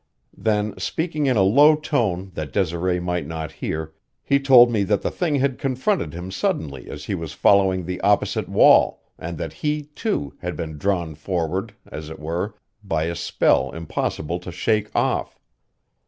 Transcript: Then, speaking in a low tone that Desiree might not hear, he told me that the thing had confronted him suddenly as he was following the opposite wall, and that he, too, had been drawn forward, as it were, by a spell impossible to shake off.